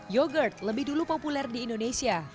yogurt lebih dulu populer di indonesia